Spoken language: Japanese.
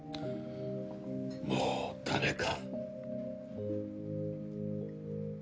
もうダメか？